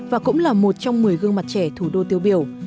và cũng là một trong một mươi gương mặt trẻ thủ đô tiêu biểu